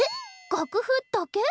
楽譜だけ？